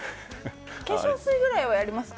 化粧水ぐらいはやりますか？